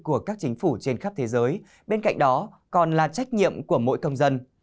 của các chính phủ trên khắp thế giới bên cạnh đó còn là trách nhiệm của mỗi công dân